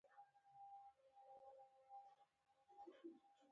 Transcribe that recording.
د احکامو او قانون سره سم د طبي شورا نورې